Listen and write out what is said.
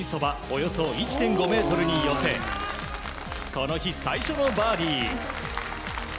およそ１．５ｍによせこの日最初のバーディー。